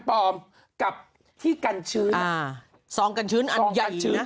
ปลอมกับที่กันชื้นอ่าสองกันชื้นอันใหญ่นะสองกันชื้น